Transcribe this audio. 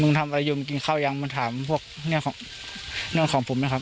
มึงทำลายมมกินข้าวยังเธอถามเนื่องของผมนะครับ